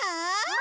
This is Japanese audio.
あ！